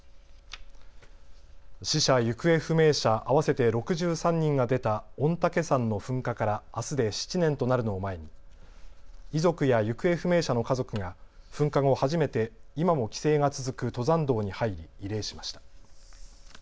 死者、行方不明者合わせて６３人が出た御嶽山の噴火からあすで７年となるのを前に遺族や行方不明者の家族が噴火後初めて今も規制が続く登山道に入り慰霊しました。